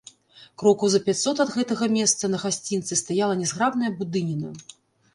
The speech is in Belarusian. Крокаў за пяцьсот ад гэтага месца, на гасцінцы, стаяла нязграбная будыніна.